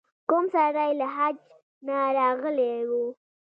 کوم سړی له حج نه راغلی و.